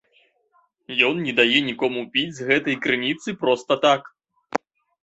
Ён не дае нікому піць з гэтай крыніцы проста так.